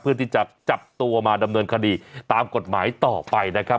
เพื่อที่จะจับตัวมาดำเนินคดีตามกฎหมายต่อไปนะครับ